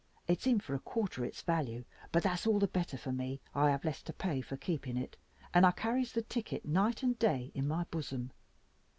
It's in for a quarter its value, but that's all the better for me: I have less to pay for keeping it, and I carries the ticket night and day in my bosom.